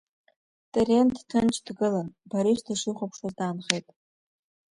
Терент ҭынч дгылан Борис дышихәаԥшуаз даанхеит…